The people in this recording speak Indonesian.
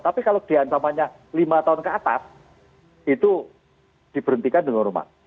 tapi kalau di ancamannya lima tahun ke atas itu diberhentikan dengan hormat